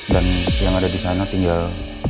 dan yang ada disana tinggal